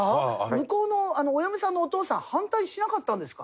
向こうのお嫁さんのお父さんは反対しなかったんですか？